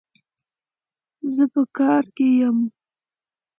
زه په کار کي يم